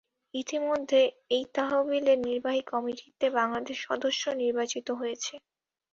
ইতিমধ্যে এই তহবিলের নির্বাহী কমিটিতে বাংলাদেশ সদস্য নির্বাচিত হয়েছে।